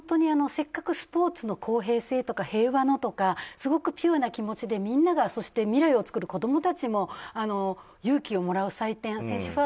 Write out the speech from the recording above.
せっかくスポーツの公平性とか平和の祭典とかすごくピュアな気持ちでみんなが、そして未来をつくる子供たちも勇気をもらう祭典選手